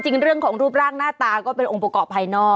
จริงเรื่องของรูปร่างหน้าตาก็เป็นองค์ประกอบภายนอก